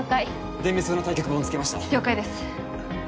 電メス用の対極板をつけました了解です